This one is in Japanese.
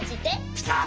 ピタッ！